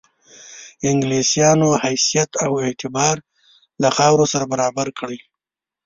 انګلیسیانو حیثیت او اعتبار له خاورو سره برابر کړي.